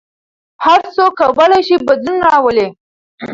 هر څوک کولای شي بدلون راولي.